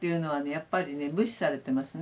やっぱりね無視されてますね。